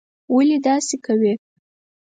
ولي داسې کوې?